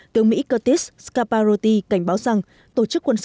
tướng mỹ curtis scamparotti cảnh báo rằng tổ chức quân sự này